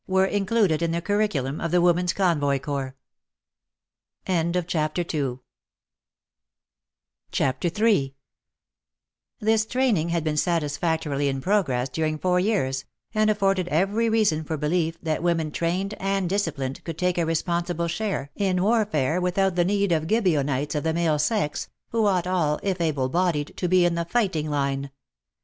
were included in the curriculum of the Women's Convoy Corps. CHAPTER III This training had been satisfactorily in progress during four years, and afforded every reason for belief that women trained and disciplined could take a responsible share in warfare without the need of Gibeonltes of the male sex, who ought all, if able bodied, to be in the fighting line.